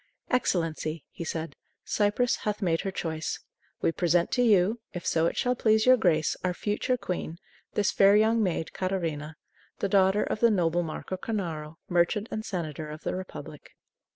"Excellency," he said, "Cyprus hath made her choice. We present to you, if so it shall please your grace, our future queen, this fair young maid, Catarina, the daughter of the noble Marco Cornaro, merchant and senator of the Republic."